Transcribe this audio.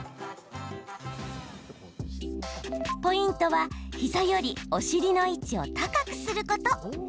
ポイントは膝よりお尻の位置を高くすること。